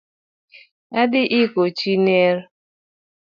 Adhi iko chi near